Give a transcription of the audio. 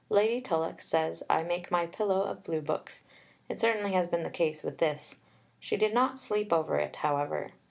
Lady Tulloch says I make my pillow of Blue books. It certainly has been the case with this." She did not sleep over it, however.